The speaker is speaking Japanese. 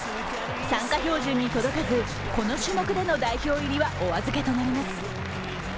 参加標準に届かず、この種目での代表入りはお預けとなります。